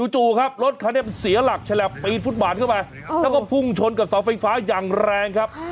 จู่ครับรถคันนี้เสียหลักฉลับปีนฟุตบาทเข้าไปแล้วก็พุ่งชนกับเสาไฟฟ้าอย่างแรงครับ